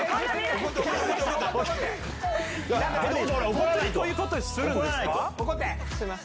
本当にこういうことするんですか⁉